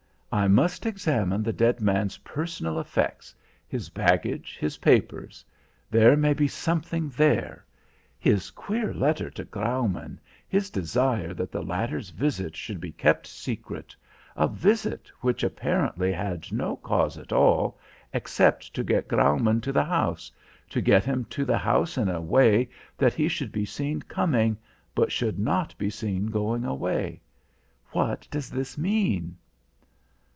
"I must examine the dead man's personal effects, his baggage, his papers; there may be something there. His queer letter to Graumann his desire that the latter's visit should be kept secret a visit which apparently had no cause at all, except to get Graumann to the house, to get him to the house in a way that he should be seen coming, but should not be seen going away. What does this mean?